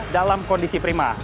dalam kondisi prima